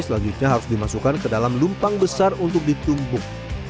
selanjutnya harus dimasukkan ke dalam lumpang besar untuk ditumpuk